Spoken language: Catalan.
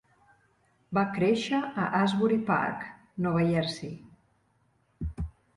Va créixer a Asbury Park, Nova Jersey.